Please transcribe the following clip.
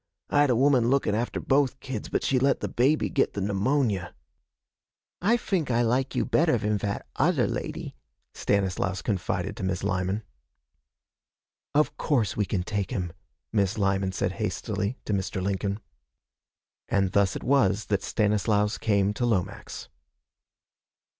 I had a woman lookin' after both kids, but she let the baby git the pneumonia.' 'I fink I like you better van vat other lady,' Stanislaus confided to Miss Lyman. 'Of course we can take him,' Miss Lyman said hastily to Mr. Lincoln. And thus it was that Stanislaus came to Lomax.